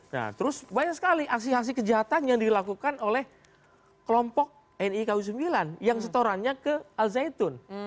nah terus banyak sekali aksi aksi kejahatan yang dilakukan oleh kelompok niku sembilan yang setorannya ke al zaitun